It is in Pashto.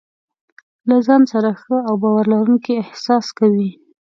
له ځان سره ښه او باور لرونکی احساس کوي.